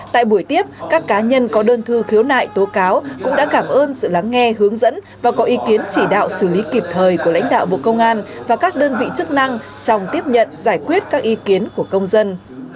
tại buổi tiếp các cá nhân có đơn thư khiếu nại tố cáo cũng đã cảm ơn sự lắng nghe hướng dẫn và có ý kiến chỉ đạo xử lý kịp thời của lãnh đạo bộ công an và các đơn vị chức năng trong tiếp nhận giải quyết các ý kiến của công dân